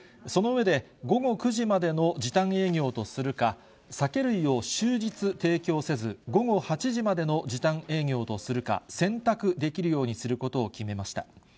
その上で、午後９時までの時短営業とするか、酒類を終日提供せず、午後８時までの時短営業とするか、選択できるようにすることを決めました。